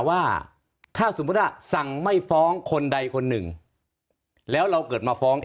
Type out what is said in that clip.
ว่าถ้าสมมุติว่าสั่งไม่ฟ้องคนใดคนหนึ่งแล้วเราเกิดมาฟ้อง